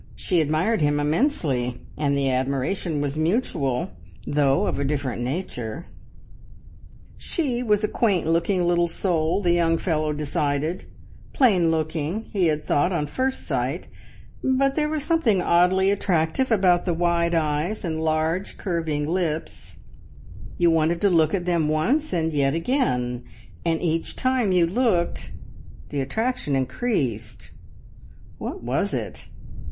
She admired him immensely; and the admiration was mutual, though of a different nature. She was a quaint looking little soul, the young fellow decided plain looking, he had thought on first sight, but there was something oddly attractive about the wide eyes and large curving lips; you wanted to look at them once and yet again, and each time you looked the attraction increased. What was it?